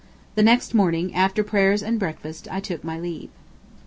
... The next morning, after prayers and breakfast, I took my leave.